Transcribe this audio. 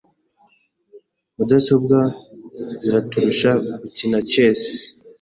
Mudasobwa ziraturusha gukina chess.